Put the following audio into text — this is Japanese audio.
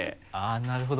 なるほど。